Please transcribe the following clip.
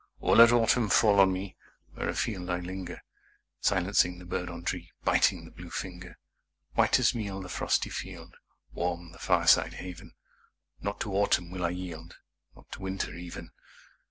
Or let autumn fall on me Where afield I linger, Silencing the bird on tree, Biting the blue finger. White as meal the frosty field Warm the fireside haven Not to autumn will I yield, Not to winter even!